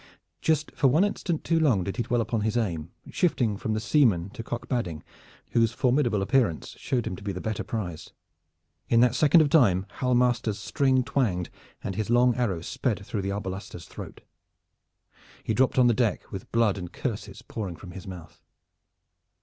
Just for one instant too long did he dwell upon his aim, shifting from the seaman to Cock Badding, whose formidable appearance showed him to be the better prize. In that second of time Hal Masters' string twanged and his long arrow sped through the arbalister's throat. He dropped on the deck, with blood and curses pouring from his mouth.